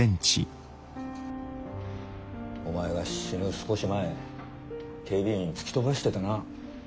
お前が死ぬ少し前警備員突き飛ばしてたな。